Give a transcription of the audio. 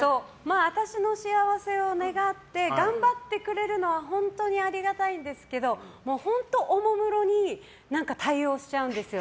私の幸せを願って頑張ってくれるのは本当にありがたいんですけど本当、おもむろに対応しちゃうんですよ。